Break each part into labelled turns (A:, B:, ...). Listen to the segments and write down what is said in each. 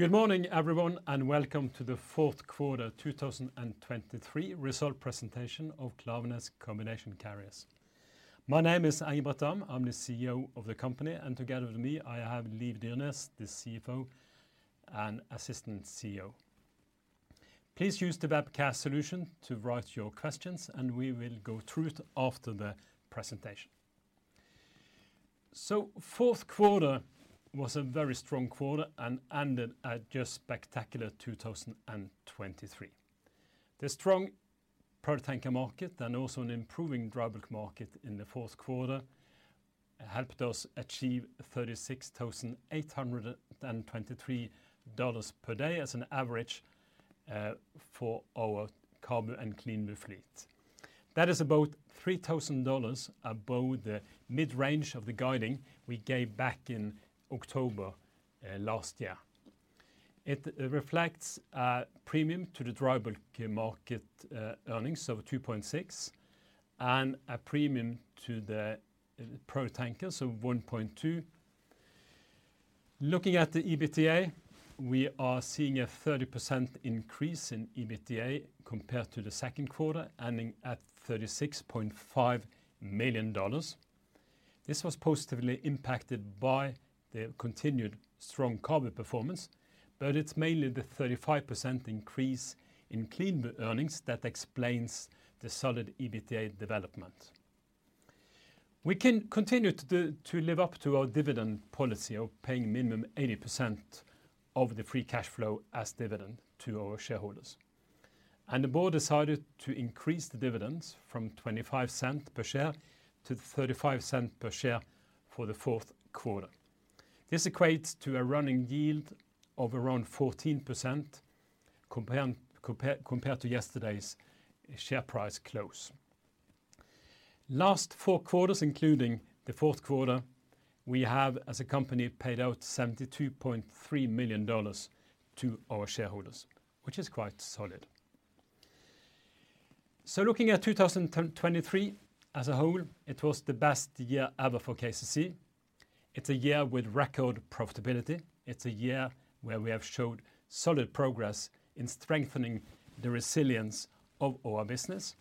A: Good morning, everyone, and welcome to the fourth quarter 2023 results presentation of Klaveness Combination Carriers. My name is Engebret Dahm. I'm the CEO of the company, and together with me, I have Liv Dyrnes, the CFO and Assistant CEO. Please use the webcast solution to write your questions, and we will go through it after the presentation. Fourth quarter was a very strong quarter and ended at just spectacular 2023. The strong product tanker market and also an improving dry bulk market in the fourth quarter helped us achieve $36,823 per day as an average for our CABU and CLEANBU fleet. That is about $3,000 above the mid-range of the guiding we gave back in October last year. It reflects a premium to the dry bulk market earnings of 2.6 and a premium to the product tanker of 1.2. Looking at the EBITDA, we are seeing a 30% increase in EBITDA compared to the second quarter, ending at $36.5 million. This was positively impacted by the continued strong carbon performance, but it's mainly the 35% increase in CLEANBU earnings that explains the solid EBITDA development. We can continue to live up to our dividend policy of paying minimum 80% of the free cash flow as dividend to our shareholders. The board decided to increase the dividends from $0.25-$0.35 per share for the fourth quarter. This equates to a running yield of around 14% compared to yesterday's share price close. Last four quarters, including the fourth quarter, we have as a company paid out $72.3 million to our shareholders, which is quite solid. Looking at 2023 as a whole, it was the best year ever for KCC. It's a year with record profitability. It's a year where we have showed solid progress in strengthening the resilience of our business,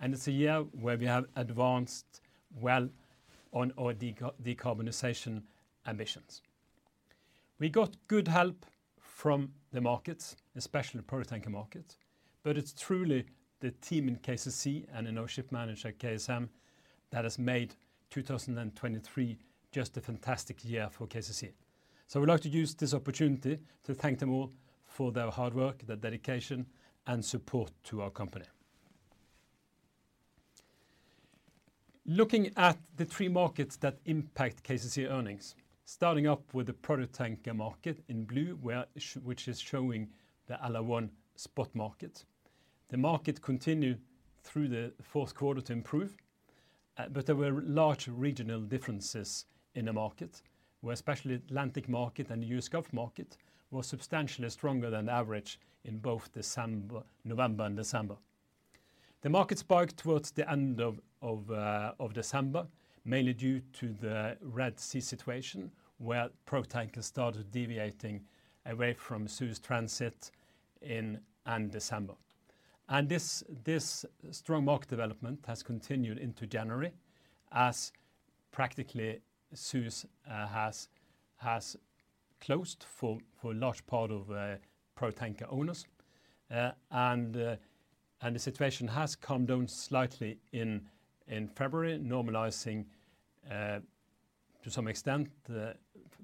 A: and it's a year where we have advanced well on our decarbonization ambitions. We got good help from the markets, especially the product tanker market. But it's truly the team in KCC and an ownership manager at KSM that has made 2023 just a fantastic year for KCC. So we'd like to use this opportunity to thank them all for their hard work, their dedication, and support to our company. Looking at the three markets that impact KCC earnings, starting up with the product tanker market in blue, which is showing the LR1 spot market. The market continued through the fourth quarter to improve, but there were large regional differences in the market, where especially the Atlantic market and the US Gulf market were substantially stronger than the average in both December, November, and December. The market spiked towards the end of December, mainly due to the Red Sea situation where product tanker started deviating away from Suez Transit in December. This strong market development has continued into January as practically Suez has closed for a large part of product tanker owners. The situation has calmed down slightly in February, normalizing to some extent,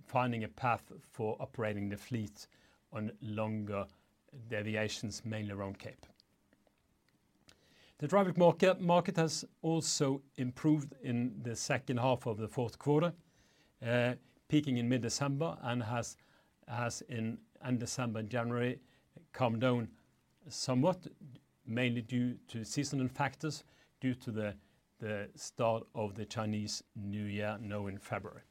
A: finding a path for operating the fleet on longer deviations, mainly around Cape. The dry bulk market has also improved in the second half of the fourth quarter, peaking in mid-December and has in December and January calmed down somewhat, mainly due to seasonal factors, due to the start of the Chinese New Year, now in February.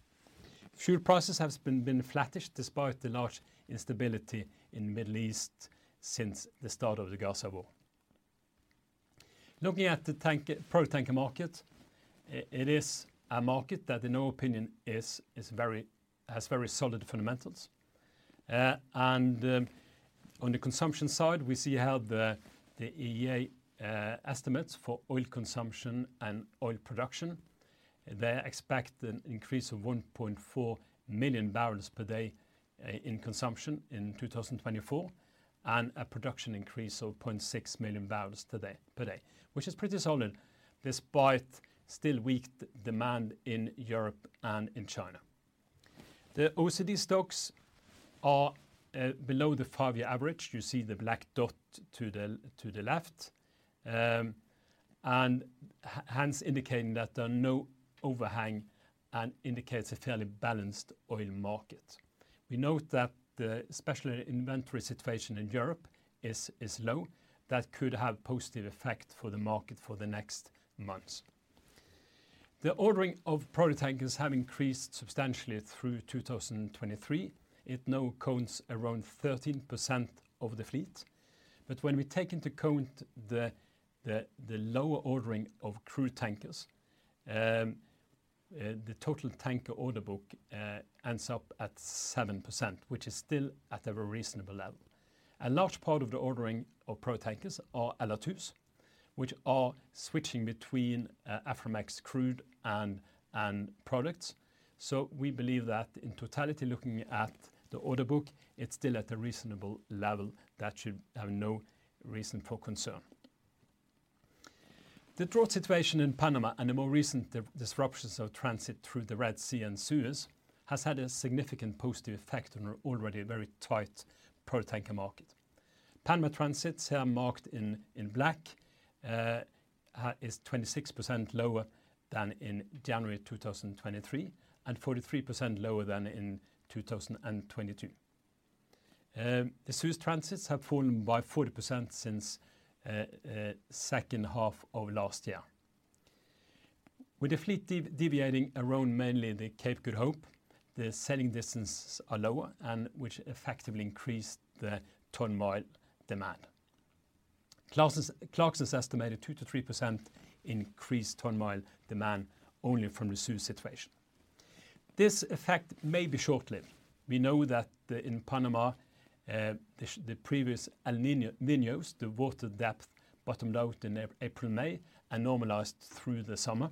A: Fuel prices have been flattish despite the large instability in the Middle East since the start of the Gaza War. Looking at the product tanker market, it is a market that, in our opinion, has very solid fundamentals. On the consumption side, we see how the IEA estimates for oil consumption and oil production, they expect an increase of 1.4 million barrels per day in consumption in 2024 and a production increase of 0.6 million barrels per day, which is pretty solid despite still weak demand in Europe and in China. The OECD stocks are below the five-year average. You see the black dot to the left and hence indicating that there are no overhang and indicates a fairly balanced oil market. We note that the special inventory situation in Europe is low. That could have a positive effect for the market for the next months. The ordering of product tankers has increased substantially through 2023. It now counts around 13% of the fleet. But when we take into account the lower ordering of crude tankers, the total tanker order book ends up at 7%, which is still at a reasonable level. A large part of the ordering of product tankers are Aframax, which are switching between Aframax crude and products. So we believe that in totality, looking at the order book, it's still at a reasonable level that should have no reason for concern. The drought situation in Panama and the more recent disruptions of transit through the Red Sea and Suez has had a significant positive effect on an already very tight product tanker market. Panama transits are marked in black, is 26% lower than in January 2023 and 43% lower than in 2022. The Suez transits have fallen by 40% since the second half of last year, with the fleet deviating around mainly the Cape of Good Hope. The sailing distances are lower, which effectively increased the ton mile demand. Clarksons estimated 2%-3% increased ton mile demand only from the Suez situation. This effect may be short-lived. We know that in Panama, the previous El Niños, the water depth bottomed out in April, May, and normalized through the summer.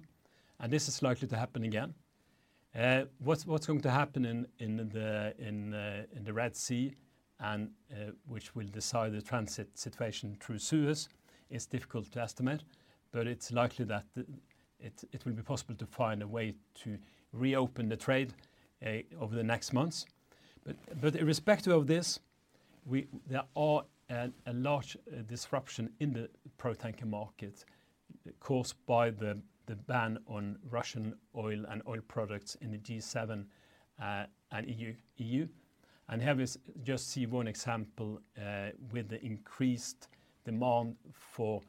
A: This is likely to happen again. What's going to happen in the Red Sea, which will decide the transit situation through Suez, is difficult to estimate, but it's likely that it will be possible to find a way to reopen the trade over the next months. Irrespective of this, there are a large disruption in the product tanker market caused by the ban on Russian oil and oil products in the G7 and EU. Here we just see one example with the increased demand for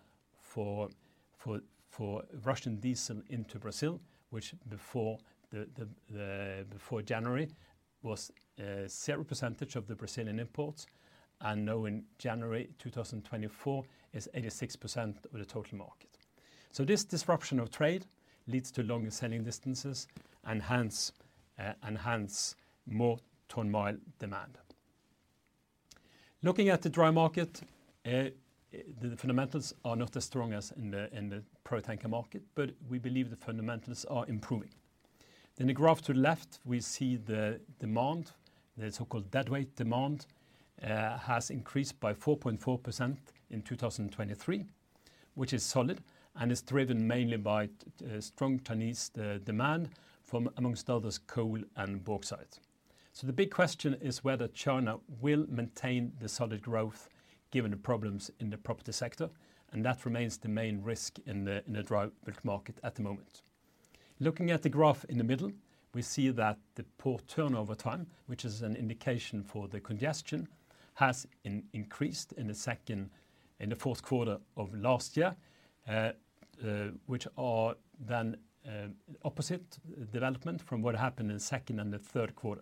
A: Russian diesel into Brazil, which before January was 0% of the Brazilian imports and now in January 2024 is 86% of the total market. So this disruption of trade leads to longer sailing distances and hence enhanced more ton-mile demand. Looking at the dry market, the fundamentals are not as strong as in the product tanker market, but we believe the fundamentals are improving. The graph to the left, we see the demand, the so-called deadweight demand, has increased by 4.4% in 2023, which is solid and is driven mainly by strong Chinese demand from, amongst others, coal and bauxite. So the big question is whether China will maintain the solid growth given the problems in the property sector. That remains the main risk in the dry market at the moment. Looking at the graph in the middle, we see that the port turnover time, which is an indication for the congestion, has increased in the second and the fourth quarter of last year, which are then opposite development from what happened in the second and the third quarter.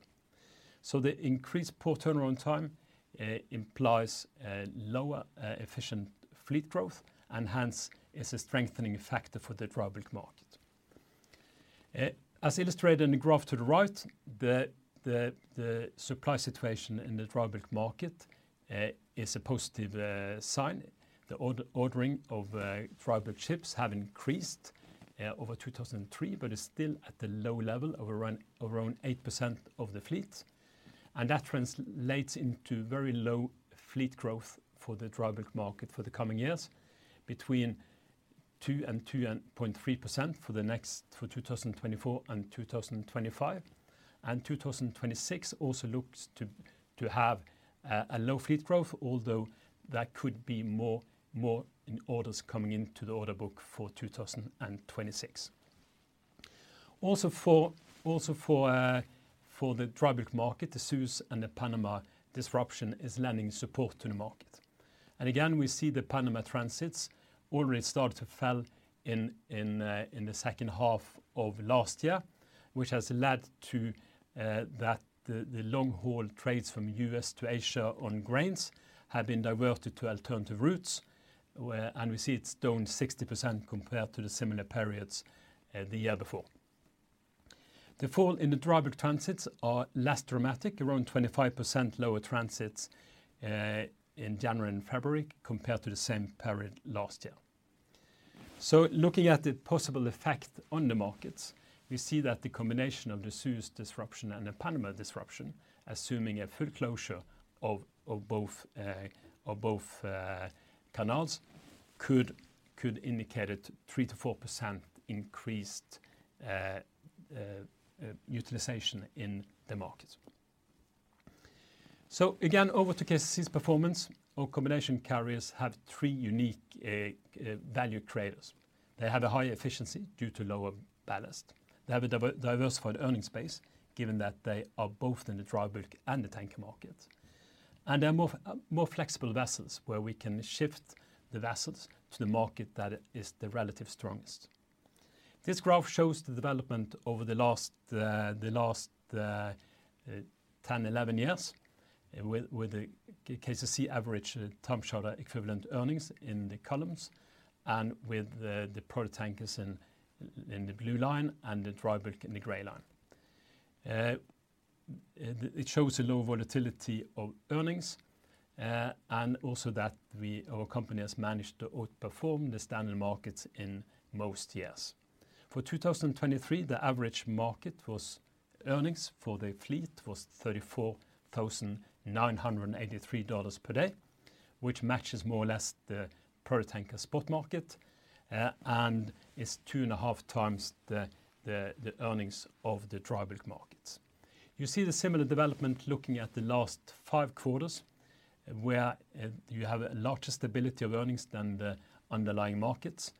A: So the increased port turnover on time implies lower efficient fleet growth and hence is a strengthening factor for the dry market. As illustrated in the graph to the right, the supply situation in the dry market is a positive sign. The ordering of dry ships has increased over 2023, but is still at the low level of around 8% of the fleet. And that translates into very low fleet growth for the dry market for the coming years, between 2% and 2.3% for the next for 2024 and 2025. 2026 also looks to have a low fleet growth, although that could be more in orders coming into the order book for 2026. Also for the dry market, the Suez and the Panama disruption is lending support to the market. Again, we see the Panama transits already started to fall in the second half of last year, which has led to the fact that the long-haul trades from the U.S. to Asia on grains have been diverted to alternative routes. We see it's down 60% compared to the similar periods the year before. The fall in the dry transits is less dramatic, around 25% lower transits in January and February compared to the same period last year. So looking at the possible effect on the markets, we see that the combination of the Suez disruption and the Panama disruption, assuming a full closure of both canals, could indicate a 3%-4% increased utilization in the markets. So again, over to KCC's performance, our combination carriers have three unique value creators. They have a higher efficiency due to lower ballast. They have a diversified earning space given that they are both in the dry and the tanker markets and they are more flexible vessels where we can shift the vessels to the market that is the relatively strongest. This graph shows the development over the last 10, 11 years with the KCC average time charter equivalent earnings in the columns and with the product tankers in the blue line and the dry in the gray line. It shows a low volatility of earnings and also that our company has managed to outperform the standard markets in most years. For 2023, the average market earnings for the fleet was $34,983 per day, which matches more or less the product tanker spot market and is 2.5 times the earnings of the dry markets. You see the similar development looking at the last five quarters where you have a larger stability of earnings than the underlying markets.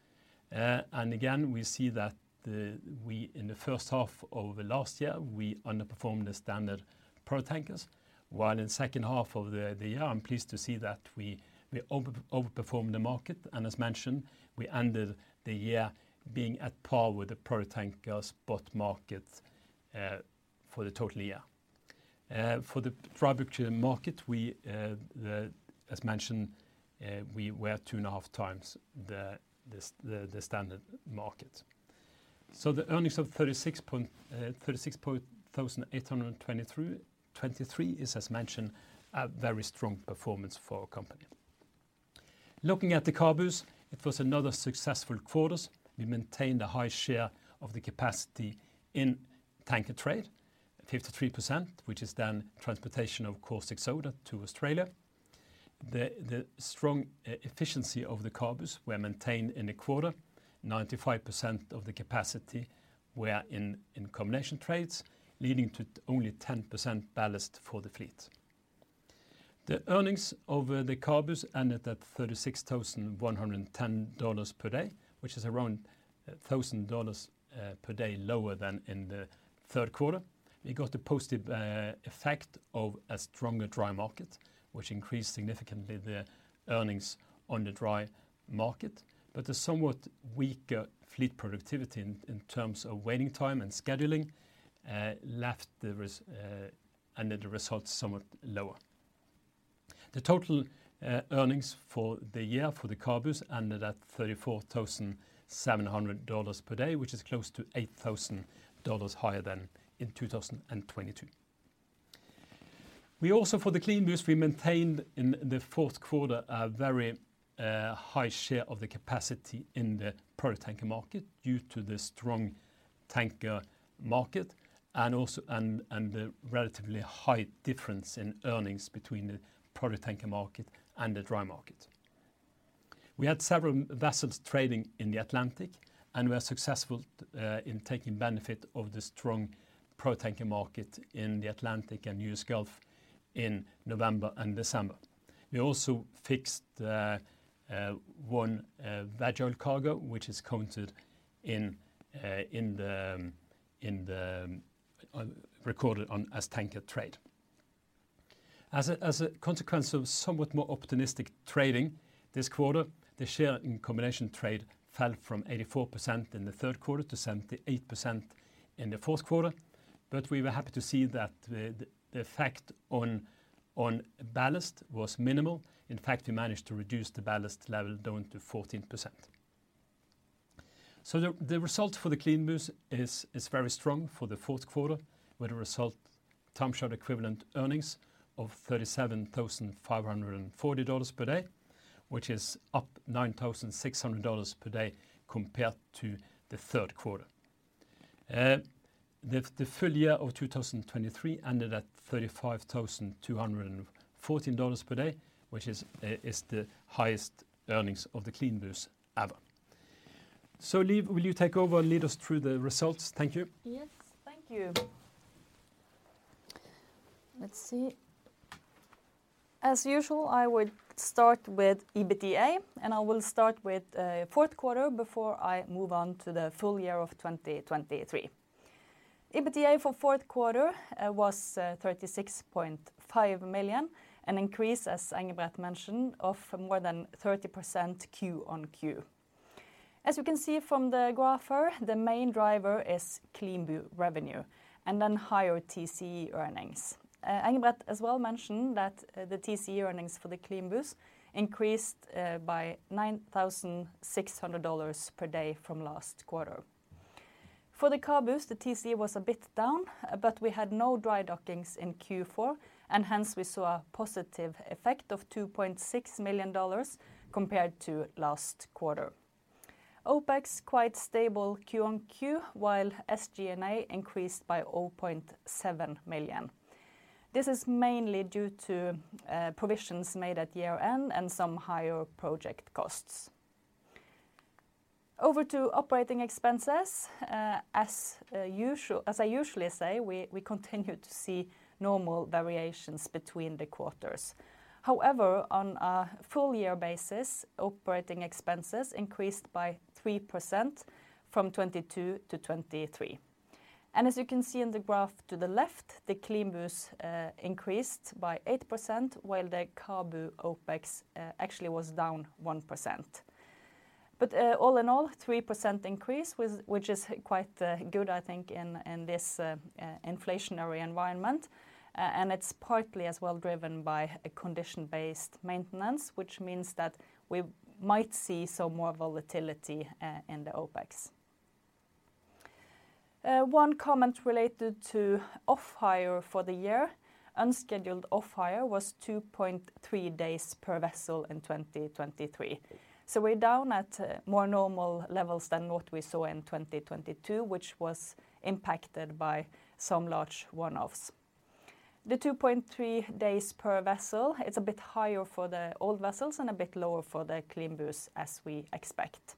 A: Again, we see that in the first half of last year, we underperformed the standard product tankers, while in the second half of the year, I'm pleased to see that we overperformed the market. As mentioned, we ended the year being at par with the product tanker spot market for the total year. For the dry market, as mentioned, we were 2.5 times the standard market. The earnings of $36,823 is, as mentioned, a very strong performance for our company. Looking at the CABUs, it was another successful quarter. We maintained a high share of the capacity in tanker trade, 53%, which is then transportation of caustic soda to Australia. The strong efficiency of the CABUs was maintained in the quarter. 95% of the capacity was in combination trades, leading to only 10% ballast for the fleet. The earnings of the CABUs ended at $36,110 per day, which is around $1,000 per day lower than in the third quarter. We got the positive effect of a stronger dry market, which increased significantly the earnings on the dry market. But the somewhat weaker fleet productivity in terms of waiting time and scheduling left the end of the results somewhat lower. The total earnings for the year for the CABUs ended at $34,700 per day, which is close to $8,000 higher than in 2022. We also, for the CLEANBUs, we maintained in the fourth quarter a very high share of the capacity in the product tanker market due to the strong tanker market and also the relatively high difference in earnings between the product tanker market and the dry market. We had several vessels trading in the Atlantic, and we were successful in taking benefit of the strong product tanker market in the Atlantic and U.S. Gulf in November and December. We also fixed one vegetable cargo, which is recorded as tanker trade. As a consequence of somewhat more optimistic trading this quarter, the share in combination trade fell from 84% in the third quarter to 78% in the fourth quarter. But we were happy to see that the effect on ballast was minimal. In fact, we managed to reduce the ballast level down to 14%. So the result for the CLEANBUs is very strong for the fourth quarter, with a TCE of $37,540 per day, which is up $9,600 per day compared to the third quarter. The full year of 2023 ended at $35,214 per day, which is the highest earnings of the CLEANBU ever. So Liv, will you take over and lead us through the results? Thank you.
B: Yes. Thank you. Let's see. As usual, I would start with EBITDA, and I will start with fourth quarter before I move on to the full year of 2023. EBITDA for fourth quarter was $36.5 million, an increase, as Engebret mentioned, of more than 30% Q-on-Q. As you can see from the graph here, the main driver is CLEANBU revenue and then higher TCE earnings. Engebret as well mentioned that the TCE earnings for the CLEANBUs increased by $9,600 per day from last quarter. For the CABUs, the TCE was a bit down, but we had no dry dockings in Q4, and hence we saw a positive effect of $2.6 million compared to last quarter. OpEx quite stable Q on Q, while SG&A increased by $0.7 million. This is mainly due to provisions made at year end and some higher project costs. Over to operating expenses. As I usually say, we continue to see normal variations between the quarters. However, on a full year basis, operating expenses increased by 3% from 2022 to 2023. As you can see in the graph to the left, the CLEANBU increased by 8%, while the CABU OpEx actually was down 1%. All in all, 3% increase, which is quite good, I think, in this inflationary environment. It's partly as well driven by condition-based maintenance, which means that we might see some more volatility in the OpEx. One comment related to off-hire for the year. Unscheduled off-hire was 2.3 days per vessel in 2023. We're down at more normal levels than what we saw in 2022, which was impacted by some large one-offs. The 2.3 days per vessel, it's a bit higher for the old vessels and a bit lower for the CLEANBUs, as we expect.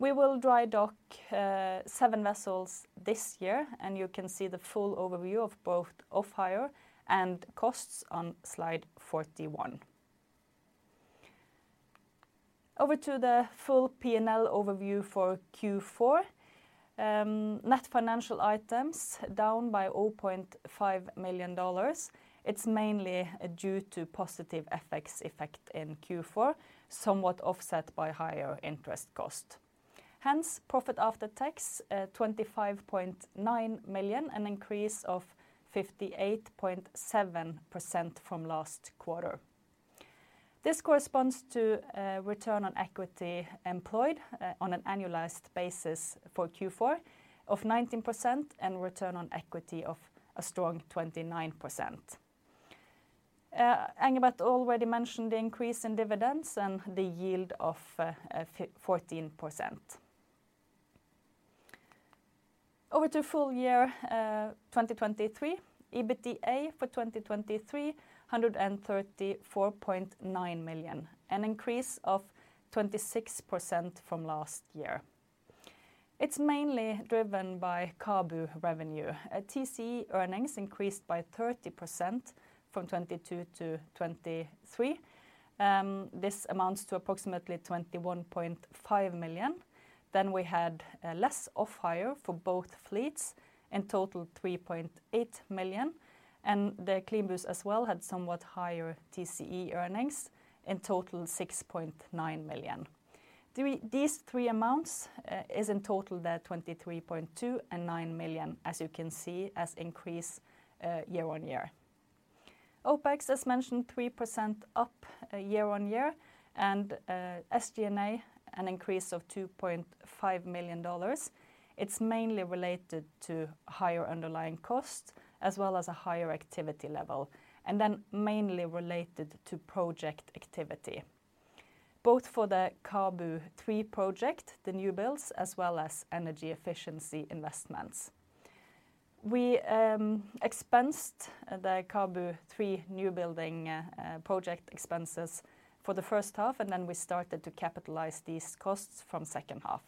B: We will dry dock 7 vessels this year, and you can see the full overview of both off-hire and costs on slide 41. Over to the full P&L overview for Q4. Net financial items down by $0.5 million. It's mainly due to positive effects in Q4, somewhat offset by higher interest cost. Hence, profit after tax $25.9 million, an increase of 58.7% from last quarter. This corresponds to return on equity employed on an annualized basis for Q4 of 19% and return on equity of a strong 29%. Engebret already mentioned the increase in dividends and the yield of 14%. Over to full year 2023. EBITDA for 2023 $134.9 million, an increase of 26% from last year. It's mainly driven by CABU revenue. TCE earnings increased by 30% from 2022 to 2023. This amounts to approximately $21.5 million. Then we had less off-hire for both fleets, in total $3.8 million. And the CLEANBUs as well had somewhat higher TCE earnings, in total $6.9 million. These three amounts is in total the $23.2 million and $9 million, as you can see, an increase year-on-year. OpEx, as mentioned, 3% up year-on-year, and SG&A an increase of $2.5 million. It's mainly related to higher underlying costs as well as a higher activity level, and then mainly related to project activity, both for the CABU 3 project, the new builds, as well as energy efficiency investments. We expensed the CABU 3 new building project expenses for the first half, and then we started to capitalize these costs from second half.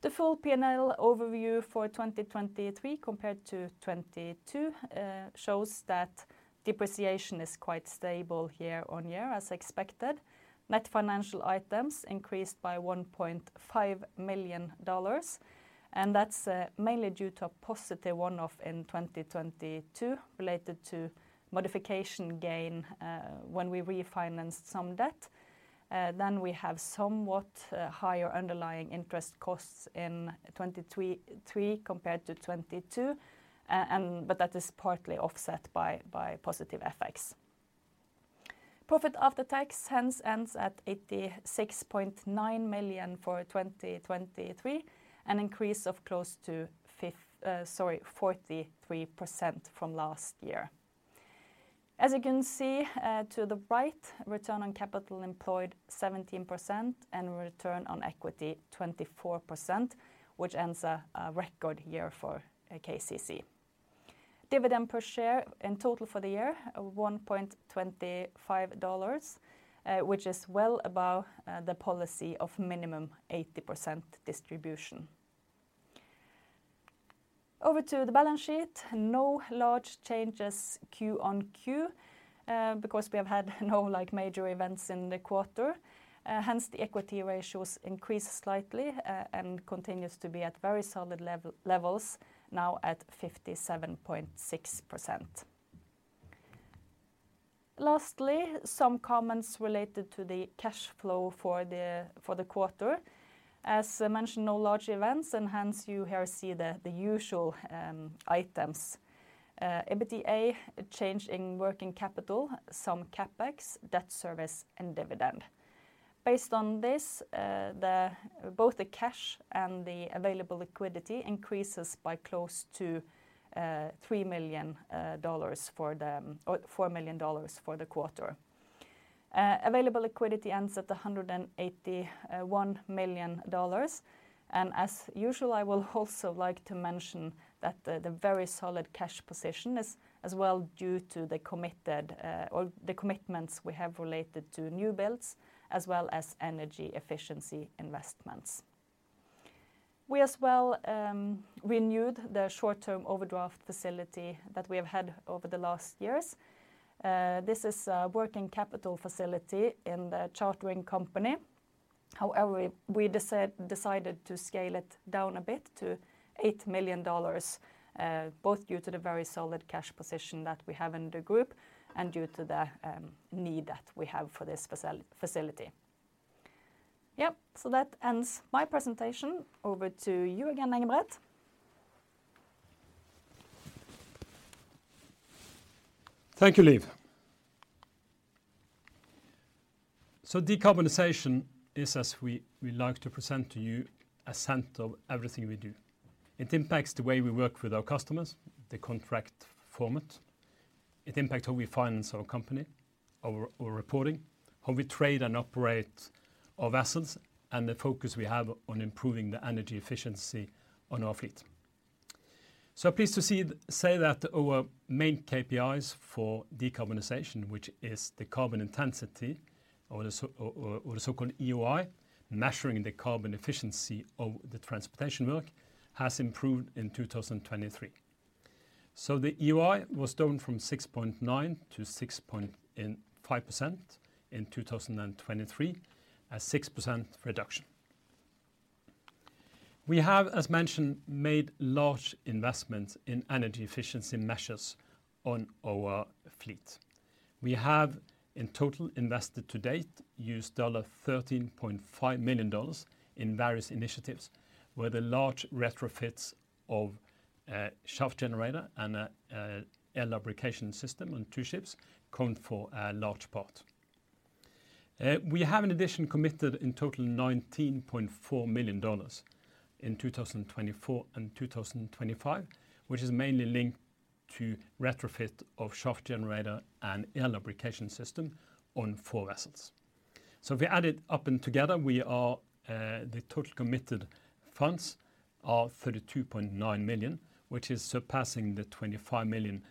B: The full P&L overview for 2023 compared to 2022 shows that depreciation is quite stable year-on-year, as expected. Net financial items increased by $1.5 million, and that's mainly due to a positive one-off in 2022 related to modification gain when we refinanced some debt. Then we have somewhat higher underlying interest costs in 2023 compared to 2022, but that is partly offset by positive effects. Profit after tax, hence, ends at $86.9 million for 2023, an increase of close to 43% from last year. As you can see to the right, return on capital employed 17% and return on equity 24%, which ends a record year for KCC. Dividend per share in total for the year $1.25, which is well above the policy of minimum 80% distribution. Over to the balance sheet. No large changes Q-on-Q because we have had no major events in the quarter. Hence, the equity ratios increase slightly and continues to be at very solid levels, now at 57.6%. Lastly, some comments related to the cash flow for the quarter. As mentioned, no large events, and hence you here see the usual items. EBITDA, change in working capital, some CapEx, debt service and dividend. Based on this, both the cash and the available liquidity increases by close to $3 million for the quarter. Available liquidity ends at $181 million. As usual, I will also like to mention that the very solid cash position is as well due to the commitments we have related to new builds, as well as energy efficiency investments. We as well renewed the short-term overdraft facility that we have had over the last years. This is a working capital facility in the chartering company. However, we decided to scale it down a bit to $8 million, both due to the very solid cash position that we have in the group and due to the need that we have for this facility. Yeah, so that ends my presentation. Over to you again, Engebret.
A: Thank you, Liv. Decarbonization is, as we like to present to you, central to everything we do. It impacts the way we work with our customers, the contract format. It impacts how we finance our company, our reporting, how we trade and operate our vessels, and the focus we have on improving the energy efficiency on our fleet. I'm pleased to say that our main KPIs for decarbonization, which is the carbon intensity or the so-called EEOI, measuring the carbon efficiency of the transportation work, has improved in 2023. The EEOI was down from 6.9%-6.5% in 2023, a 6% reduction. We have, as mentioned, made large investments in energy efficiency measures on our fleet. We have in total invested to date, used $13.5 million in various initiatives, where the large retrofits of shaft generator and air lubrication system on two ships count for a large part. We have, in addition, committed in total $19.4 million in 2024 and 2025, which is mainly linked to retrofit of shaft generator and air lubrication system on four vessels. So if we add it up and together, the total committed funds are $32.9 million, which is surpassing the $25 million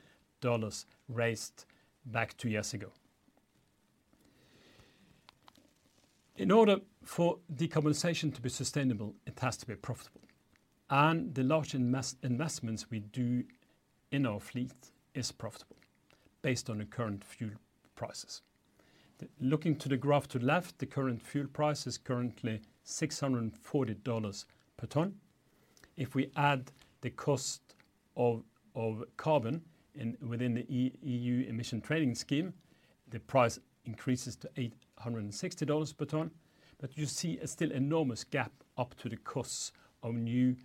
A: raised back two years ago. In order for decarbonization to be sustainable, it has to be profitable. And the large investments we do in our fleet are profitable based on the current fuel prices. Looking to the graph to the left, the current fuel price is currently $640 per tonne. If we add the cost of carbon within the EU Emissions Trading Scheme, the price increases to $860 per tonne. But you see a still enormous gap up to the costs of new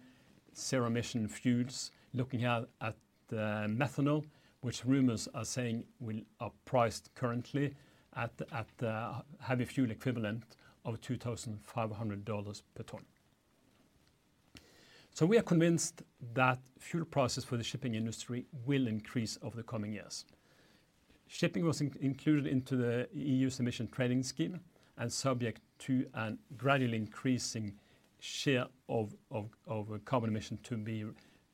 A: zero-emission fuels. Looking at methanol, which rumors are saying will be priced currently at the heavy fuel equivalent of $2,500 per tonne. So we are convinced that fuel prices for the shipping industry will increase over the coming years. Shipping was included into the EU's Emissions Trading Scheme and subject to a gradually increasing share of carbon emissions to be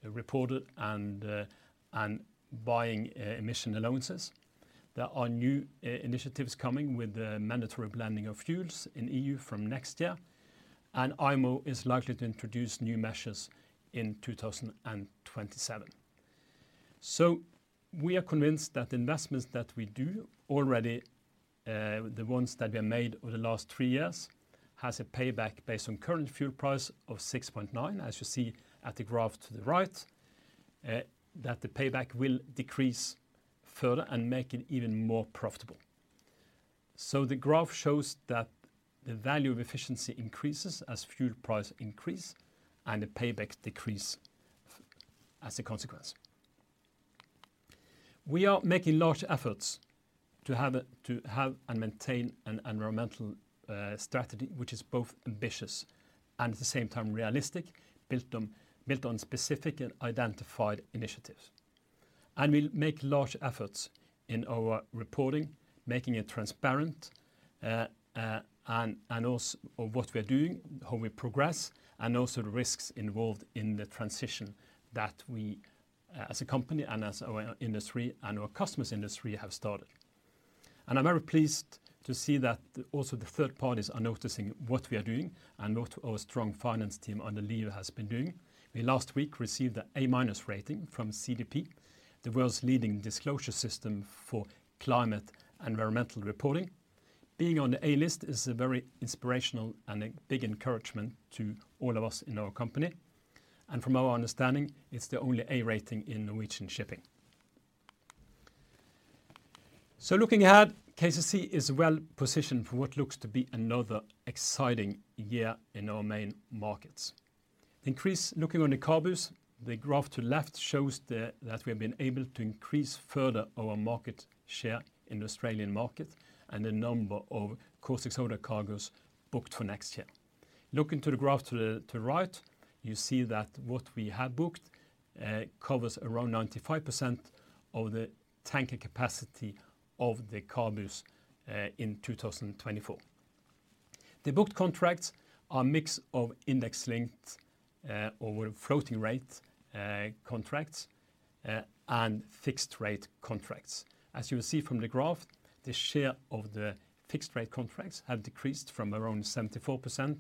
A: reported and buying emissions allowances. There are new initiatives coming with the mandatory blending of fuels in the EU from next year, and IMO is likely to introduce new measures in 2027. So we are convinced that the investments that we do already, the ones that were made over the last three years, have a payback based on current fuel price of $6.9, as you see at the graph to the right, that the payback will decrease further and make it even more profitable. The graph shows that the value of efficiency increases as fuel prices increase and the payback decreases as a consequence. We are making large efforts to have and maintain an environmental strategy, which is both ambitious and at the same time realistic, built on specific and identified initiatives. We'll make large efforts in our reporting, making it transparent and also of what we are doing, how we progress, and also the risks involved in the transition that we, as a company and as our industry and our customers' industry, have started. I'm very pleased to see that also the third parties are noticing what we are doing and what our strong finance team under Liv has been doing. We last week received the A-rating from CDP, the world's leading disclosure system for climate environmental reporting. Being on the A-list is a very inspirational and a big encouragement to all of us in our company. From our understanding, it's the only A-rating in Norwegian shipping. Looking ahead, KCC is well positioned for what looks to be another exciting year in our main markets. The increase looking on the CABUs, the graph to the left shows that we have been able to increase further our market share in the Australian market and the number of caustic soda cargoes booked for next year. Looking to the graph to the right, you see that what we have booked covers around 95% of the tanker capacity of the CABUs in 2024. The booked contracts are a mix of index-linked or floating-rate contracts and fixed-rate contracts. As you will see from the graph, the share of the fixed-rate contracts have decreased from around 74%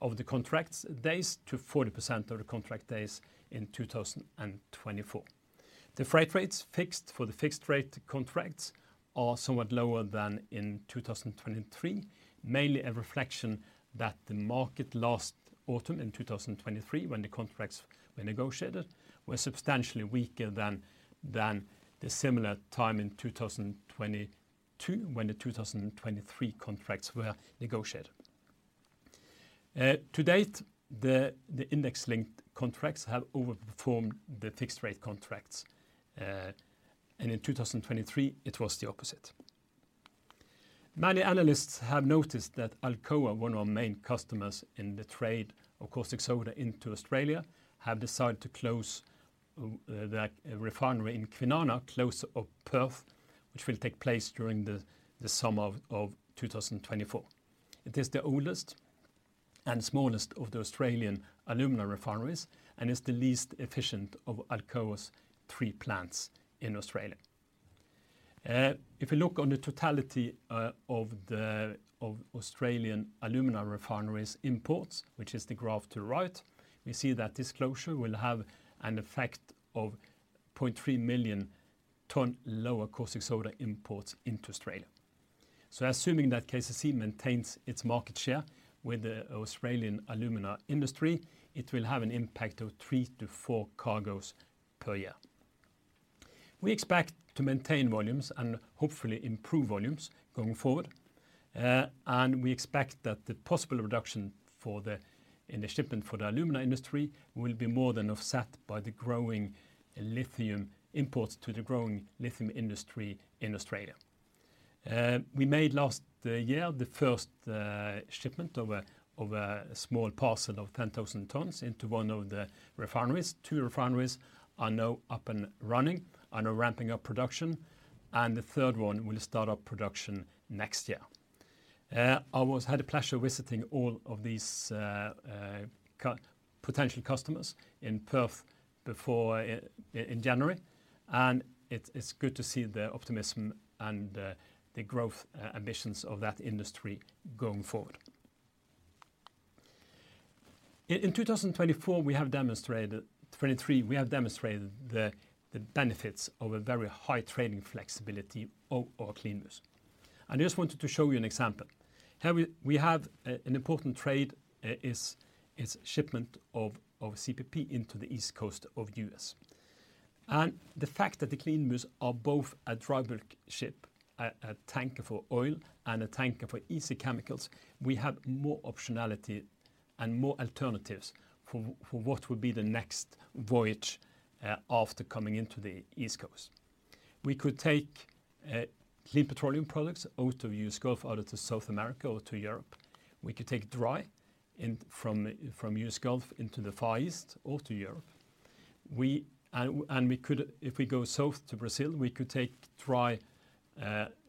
A: of the contract days to 40% of the contract days in 2024. The freight rates fixed for the fixed-rate contracts are somewhat lower than in 2023, mainly a reflection that the market last autumn in 2023, when the contracts were negotiated, were substantially weaker than the similar time in 2022 when the 2023 contracts were negotiated. To date, the index-linked contracts have overperformed the fixed-rate contracts, and in 2023, it was the opposite. Many analysts have noticed that Alcoa, one of our main customers in the trade of caustic soda into Australia, have decided to close the refinery in Kwinana, closer to Perth, which will take place during the summer of 2024. It is the oldest and smallest of the Australian alumina refineries and is the least efficient of Alcoa's three plants in Australia. If we look on the totality of the Australian alumina refineries imports, which is the graph to the right, we see that closure will have an effect of 0.3 million tonne lower caustic soda imports into Australia. So assuming that KCC maintains its market share with the Australian alumina industry, it will have an impact of three to four cargoes per year. We expect to maintain volumes and hopefully improve volumes going forward. We expect that the possible reduction in the shipment for the alumina industry will be more than offset by the growing lithium imports to the growing lithium industry in Australia. We made last year the first shipment of a small parcel of 10,000 tonnes into one of the refineries. Two refineries are now up and running and are ramping up production. The third one will start up production next year. I had the pleasure of visiting all of these potential customers in Perth in January. It's good to see the optimism and the growth ambitions of that industry going forward. In 2024, we have demonstrated 2023, we have demonstrated the benefits of a very high trading flexibility of our CLEANBUs. I just wanted to show you an example. Here we have an important trade, a shipment of CPP into the East Coast of the U.S. The fact that the CLEANBUs are both a dry bulk ship, a tanker for oil and a tanker for EC chemicals, we have more optionality and more alternatives for what will be the next voyage after coming into the East Coast. We could take clean petroleum products out of the U.S. Gulf out of South America or to Europe. We could take dry from the U.S. Gulf into the Far East or to Europe. We could if we go south to Brazil, we could take dry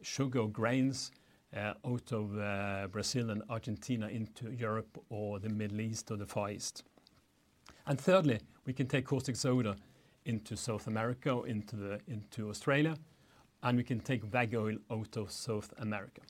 A: sugar grains out of Brazil and Argentina into Europe or the Middle East or the Far East. And thirdly, we can take caustic soda into South America or into Australia, and we can take veg oil out of South America.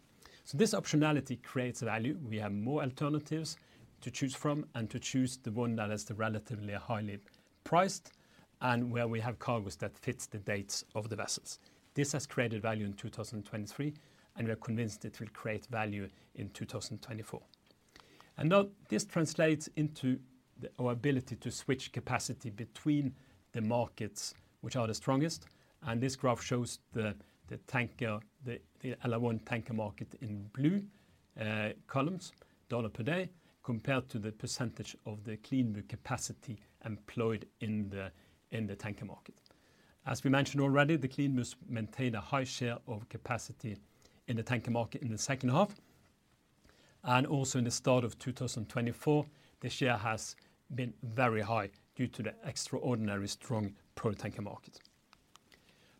A: So this optionality creates value. We have more alternatives to choose from and to choose the one that is relatively highly priced and where we have cargoes that fit the dates of the vessels. This has created value in 2023, and we are convinced it will create value in 2024. Now this translates into our ability to switch capacity between the markets which are the strongest. This graph shows the LR1 tanker market in blue columns, dollar per day, compared to the percentage of the CLEANBU capacity employed in the tanker market. As we mentioned already, the CLEANBUs maintain a high share of capacity in the tanker market in the second half. Also in the start of 2024, the share has been very high due to the extraordinarily strong pro-tanker market.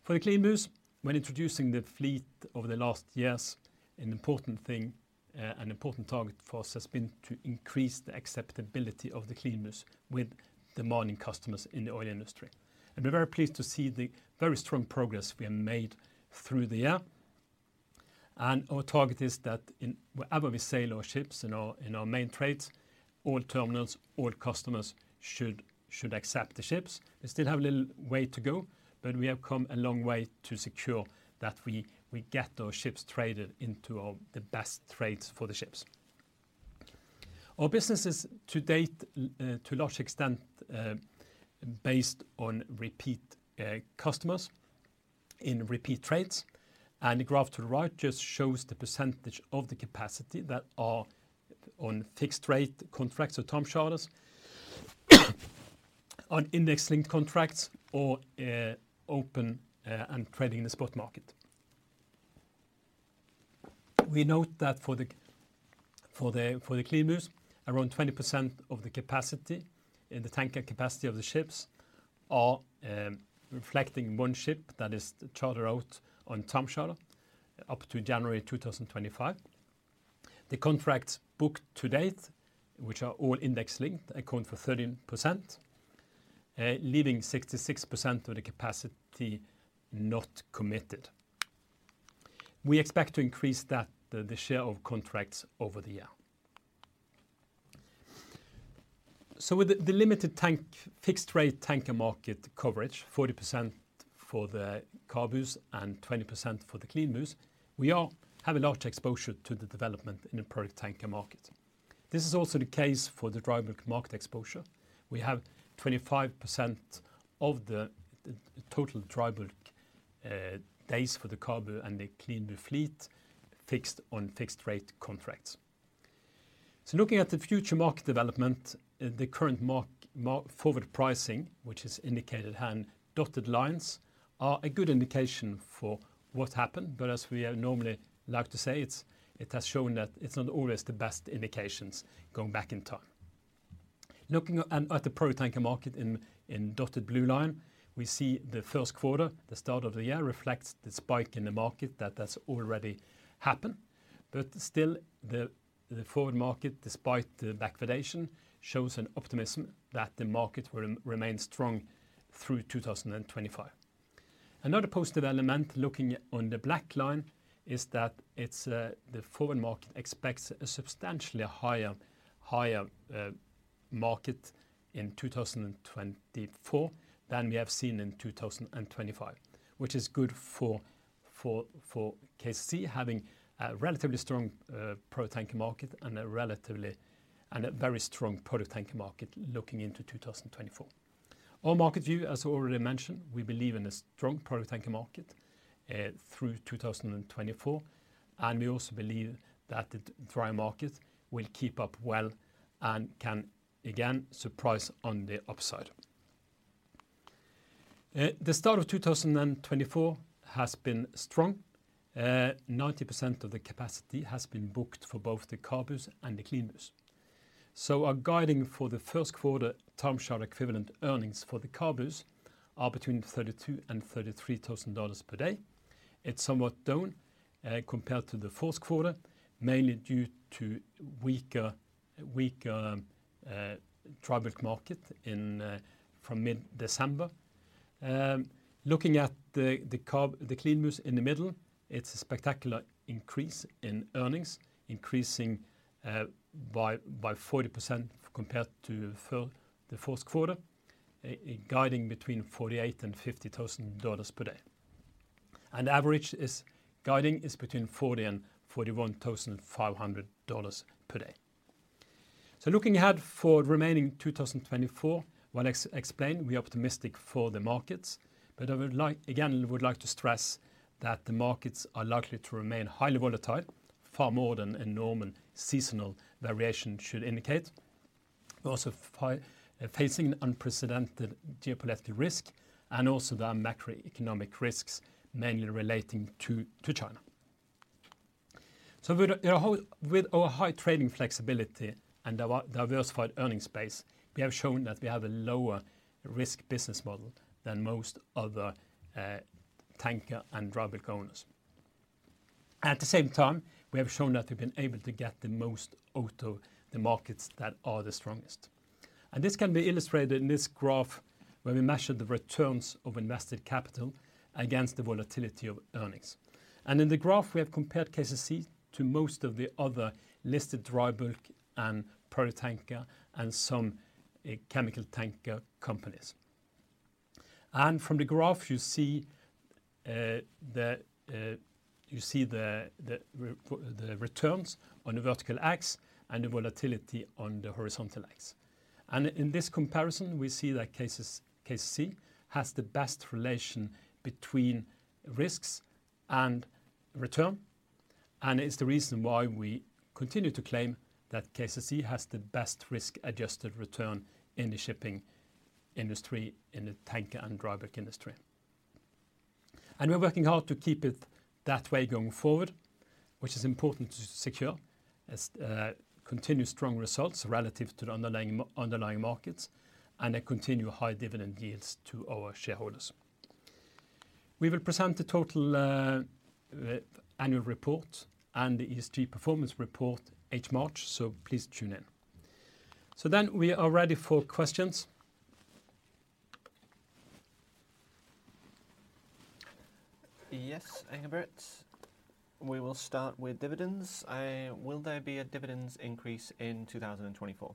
A: For the CLEANBUs, when introducing the fleet over the last years, an important thing and important target for us has been to increase the acceptability of the CLEANBUs with demanding customers in the oil industry. We're very pleased to see the very strong progress we have made through the year. Our target is that wherever we sail our ships and our main trades, all terminals, all customers should accept the ships. We still have a little way to go, but we have come a long way to secure that we get our ships traded into the best trades for the ships. Our business is to date, to a large extent, based on repeat customers in repeat trades. The graph to the right just shows the percentage of the capacity that are on fixed-rate contracts or term charters, on index-linked contracts or open and trading in the spot market. We note that for the CLEANBUs, around 20% of the capacity in the tanker capacity of the ships are reflecting one ship that is chartered out on term charter up to January 2025. The contracts booked to date, which are all index-linked, account for 13%, leaving 66% of the capacity not committed. We expect to increase that the share of contracts over the year. So with the limited tank fixed-rate tanker market coverage, 40% for the CABUs and 20% for the CLEANBUs, we have a large exposure to the development in the product tanker market. This is also the case for the dry bulk market exposure. We have 25% of the total dry bulk days for the CABU and the CLEANBU fleet fixed on fixed-rate contracts. So looking at the future market development, the current market forward pricing, which is indicated here in dotted lines, are a good indication for what happened. But as we normally like to say, it's it has shown that it's not always the best indications going back in time. Looking at the product tanker market in the dotted blue line, we see the first quarter, the start of the year, reflects the spike in the market that's already happened. But still, the forward market, despite the backwardation, shows an optimism that the market remains strong through 2025. Another positive element looking on the black line is that the forward market expects a substantially higher market in 2024 than we have seen in 2025, which is good for KCC having a relatively strong product tanker market and a relatively and a very strong product tanker market looking into 2024. Our market view, as I already mentioned, we believe in a strong product tanker market through 2024. And we also believe that the dry market will keep up well and can again surprise on the upside. The start of 2024 has been strong. 90% of the capacity has been booked for both the CABUs and the CLEANBUs. So our guiding for the first quarter term charter equivalent earnings for the CABUs are between $32,000 and $33,000 per day. It's somewhat down compared to the fourth quarter, mainly due to weaker dry bulk market in from mid-December. Looking at the CLEANBUs in the middle, it's a spectacular increase in earnings, increasing by 40% compared to the fourth quarter, a guiding between $48,000 and $50,000 per day. And the average guiding is between $40,000 and $41,500 per day. So looking ahead for the remaining 2024, what I explained, we are optimistic for the markets. But I would like again, would like to stress that the markets are likely to remain highly volatile, far more than a normal seasonal variation should indicate. We're also facing an unprecedented geopolitical risk and also the macroeconomic risks mainly relating to China. So with our high trading flexibility and diversified earnings base, we have shown that we have a lower risk business model than most other tanker and dry bulk owners. At the same time, we have shown that we've been able to get the most out of the markets that are the strongest. And this can be illustrated in this graph where we measured the returns of invested capital against the volatility of earnings. And in the graph, we have compared KCC to most of the other listed dry bulk and product tanker and some chemical tanker companies. And from the graph, you see the returns on the vertical axis and the volatility on the horizontal axis. In this comparison, we see that KCC has the best relation between risks and return. It's the reason why we continue to claim that KCC has the best risk-adjusted return in the shipping industry, in the tanker and dry bulk industry. We're working hard to keep it that way going forward, which is important to secure as continue strong results relative to the underlying underlying markets and a continue high dividend yields to our shareholders. We will present the total annual report and the ESG performance report each March. Please tune in. Then we are ready for questions.
C: Yes, Engebret. We will start with dividends. Will there be a dividends increase in 2024?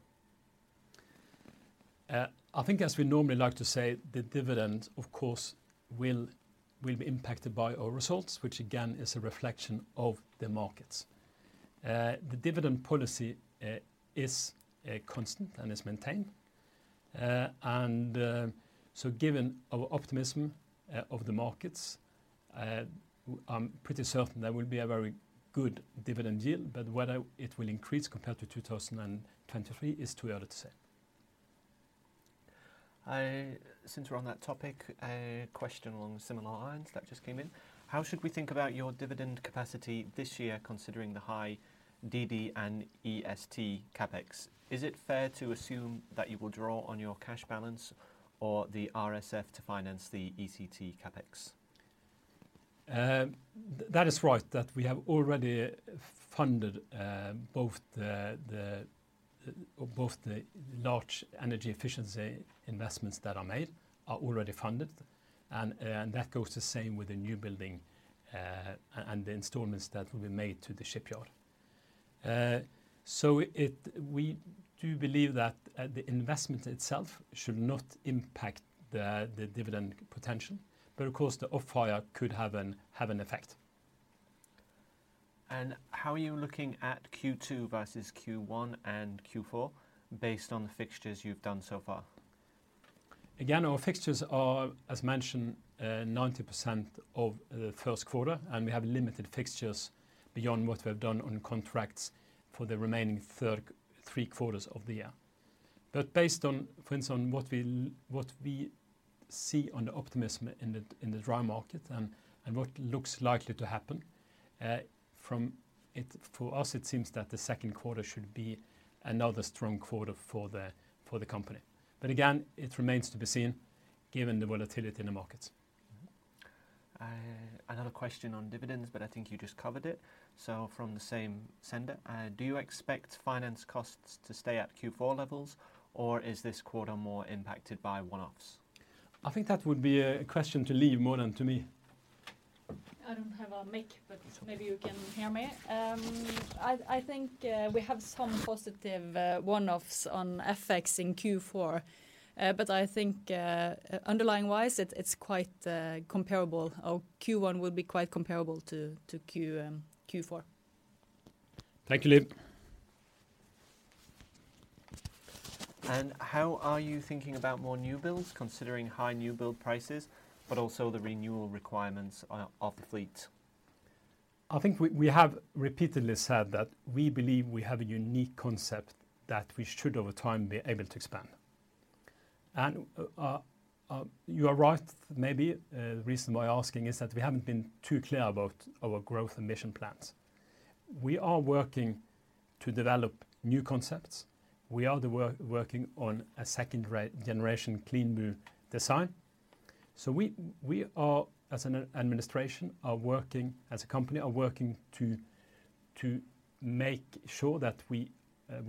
A: I think, as we normally like to say, the dividend, of course, will will be impacted by our results, which again is a reflection of the markets. The dividend policy is constant and is maintained. So given our optimism of the markets, I'm pretty certain there will be a very good dividend yield. But whether it will increase compared to 2023 is too early to say.
C: Since we're on that topic, a question along similar lines that just came in. How should we think about your dividend capacity this year considering the high DD and EXT CapEx? Is it fair to assume that you will draw on your cash balance or the RSF to finance the ECT CapEx?
A: That is right, that we have already funded both the large energy efficiency investments that are made are already funded. And that goes the same with the new building and the installments that will be made to the shipyard. So we do believe that the investment itself should not impact the dividend potential. But of course, the off-hire could have an effect.
C: And how are you looking at Q2 versus Q1 and Q4 based on the fixtures you've done so far?
A: Again, our fixtures are, as mentioned, 90% of the first quarter, and we have limited fixtures beyond what we have done on contracts for the remaining three quarters of the year. But based on, for instance, what we see on the optimism in the dry market and what looks likely to happen from it, for us, it seems that the second quarter should be another strong quarter for the company. But again, it remains to be seen given the volatility in the markets.
C: Another question on dividends, but I think you just covered it. So from the same sender, do you expect finance costs to stay at Q4 levels, or is this quarter more impacted by one-offs?
A: I think that would be a question to Liv more than to me.
B: I don't have a mic, but maybe you can hear me. I think we have some positive one-offs on effects in Q4, but I think underlying wise, it's quite comparable. Our Q1 will be quite comparable to to Q4.
A: Thank you, Liv.
C: And how are you thinking about more new builds considering high new build prices, but also the renewal requirements of the fleet?
A: I think we have repeatedly said that we believe we have a unique concept that we should over time be able to expand. And you are right. Maybe the reason why asking is that we haven't been too clear about our growth emission plans. We are working to develop new concepts. We are working on a second generation CLEANBU design. So we are, as an administration, are working as a company, are working to make sure that we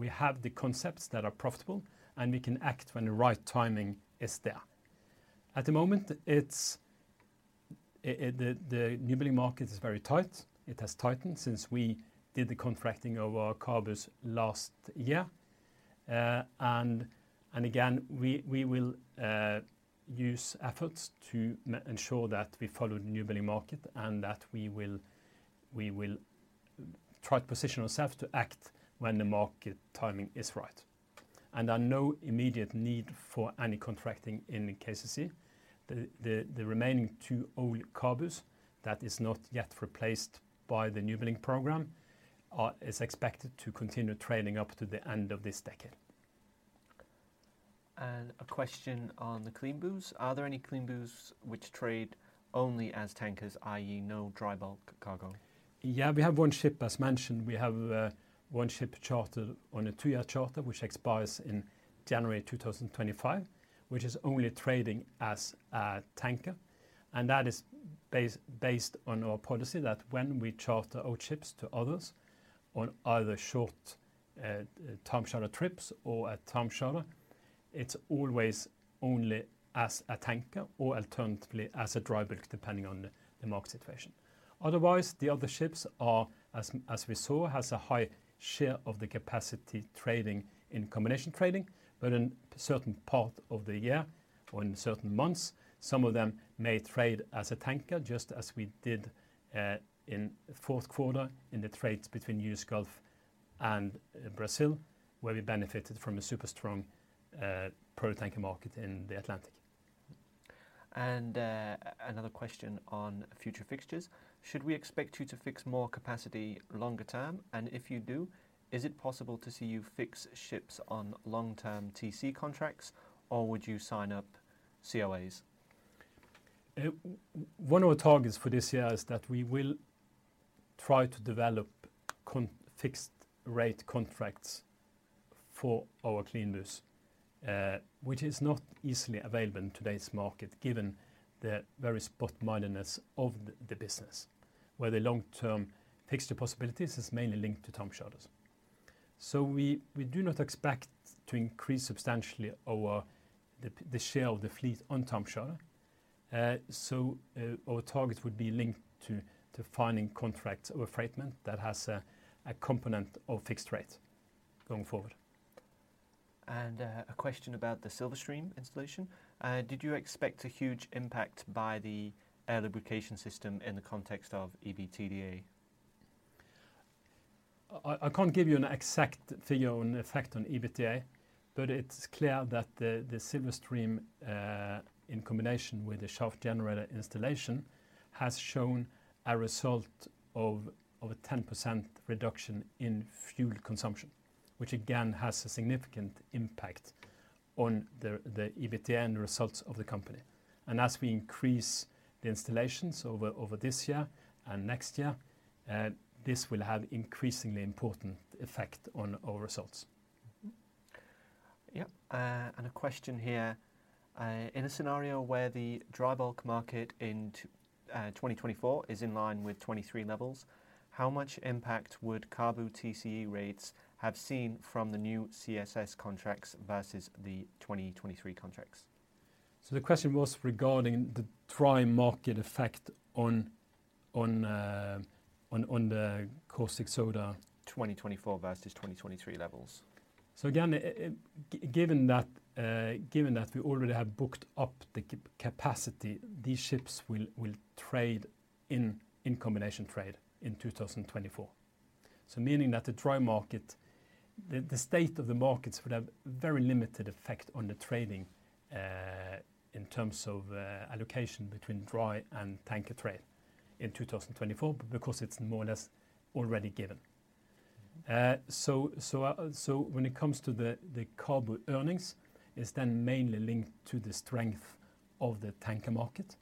A: have the concepts that are profitable and we can act when the right timing is there. At the moment, the newbuilding market is very tight. It has tightened since we did the contracting of our CABUs last year. And again, we will use efforts to ensure that we follow the newbuilding market and that we will try to position ourselves to act when the market timing is right. There are no immediate need for any contracting in KCC. The remaining two old CABUs that is not yet replaced by the new building program are expected to continue trading up to the end of this decade.
C: A question on the CLEANBUs. Are there any CLEANBUs which trade only as tankers, i.e., no dry bulk cargo?
A: Yeah, we have one ship, as mentioned. We have one ship chartered on a 2-year charter, which expires in January 2025, which is only trading as a tanker. And that is based on our policy that when we charter old ships to others on either short term charter trips or at term charter, it's always only as a tanker or alternatively as a dry bulk, depending on the market situation. Otherwise, the other ships are, as we saw, has a high share of the capacity trading in combination trading, but in a certain part of the year or in certain months, some of them may trade as a tanker just as we did in fourth quarter in the trades between U.S. Gulf and Brazil, where we benefited from a super strong product tanker market in the Atlantic.
C: Another question on future fixtures. Should we expect you to fix more capacity longer term? And if you do, is it possible to see you fix ships on long term TC contracts, or would you sign up COAs?
A: One of our targets for this year is that we will try to develop fixed-rate contracts for our CLEANBUs, which is not easily available in today's market given the very spot-mindedness of the business, where the long term fixture possibilities is mainly linked to term charters. So we do not expect to increase substantially our share of the fleet on term charter. So our target would be linked to finding contracts of affreightment that has a component of fixed rate going forward.
C: And a question about the Silverstream installation. Did you expect a huge impact by the air lubrication system in the context of EBITDA?
A: I can't give you an exact figure on effect on EBITDA, but it's clear that the Silverstream in combination with the shaft generator installation has shown a result of a 10% reduction in fuel consumption, which again has a significant impact on the EBITDA and the results of the company. And as we increase the installations over this year and next year, this will have increasingly important effect on our results.
C: Yeah. And a question here. In a scenario where the dry bulk market in 2024 is in line with 2023 levels, how much impact would CABU TCE rates have seen from the new CSS contracts versus the 2023 contracts?
A: So the question was regarding the dry market effect on the caustic soda.
C: 2024 versus 2023 levels.
A: So again, given that we already have booked up the capacity, these ships will trade in combination in 2024. So meaning that the dry market, the state of the markets would have very limited effect on the trading in terms of allocation between dry and tanker trade in 2024, but because it's more or less already given. So when it comes to the CABU earnings, it's then mainly linked to the strength of the tanker market.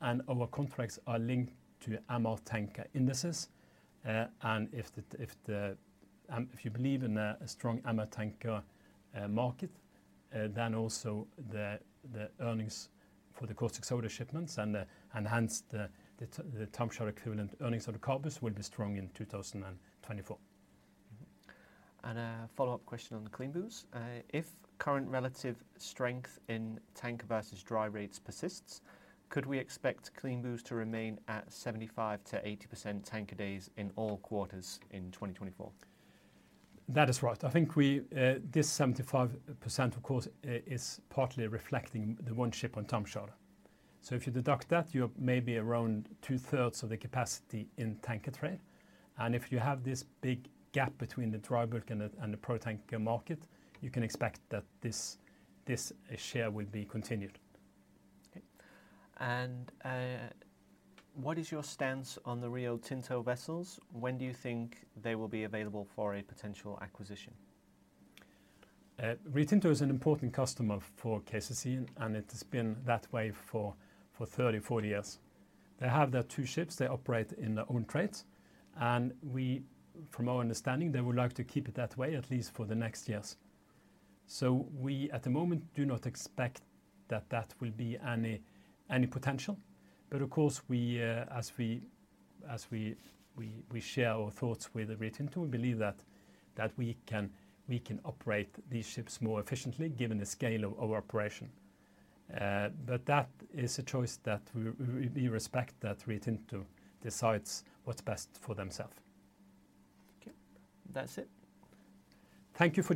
A: And our contracts are linked to MR tanker indices. And if you believe in a strong MR tanker market, then also the earnings for the caustic soda shipments and hence the term charter equivalent earnings of the CABUs will be strong in 2024.
C: And a follow-up question on CLEANBUs. If current relative strength in tanker versus dry rates persists, could we expect CLEANBUs to remain at 75%-80% tanker days in all quarters in 2024?
A: That is right. I think this 75%, of course, is partly reflecting the one ship on term charter. So if you deduct that, you may be around 2/3 of the capacity in tanker trade. And if you have this big gap between the dry bulk and the product tanker market, you can expect that this share will be continued.
C: Okay. And what is your stance on the Rio Tinto vessels? When do you think they will be available for a potential acquisition?
A: Rio Tinto is an important customer for KCC, and it has been that way for 30-40 years. They have their 2 ships. They operate in their own trades. From our understanding, they would like to keep it that way, at least for the next years. So, at the moment, we do not expect that there will be any potential. But of course, as we share our thoughts with Rio Tinto, we believe that we can operate these ships more efficiently given the scale of our operation. But that is a choice that we respect that Rio Tinto decides what's best for themselves. Okay. That's it. Thank you.